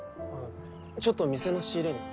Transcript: ちょっと店の仕入れに。